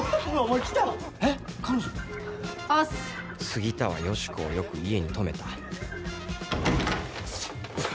杉田はヨシコをよく家に泊めた寒。